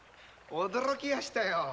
驚きましたよ。